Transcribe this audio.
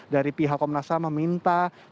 dari pihak komnas ham meminta